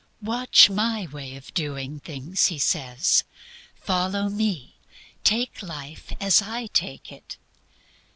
"Watch my way of doing things," He says; "Follow me. Take life as I take it.